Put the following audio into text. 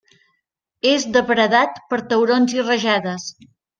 És depredat per taurons i rajades.